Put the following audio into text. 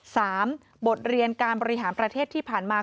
บทเรียนการบริหารประเทศที่ผ่านมา